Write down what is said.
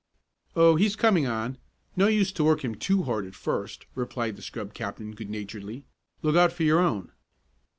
"Oh, he's coming on. No use to work him too hard at first," replied the scrub captain good naturedly. "Look out for your own."